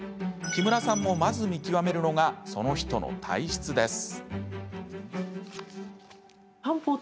木村さんもまず見極めるのがその人の体質です。